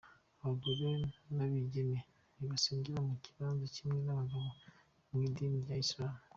Abagore n'abigeme ntibasengera mu kibanza kimwe n'abagabo mw'idini rya Islamu.